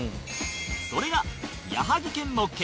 それが